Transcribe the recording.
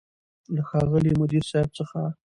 له ښاغلي مدير صيب څخه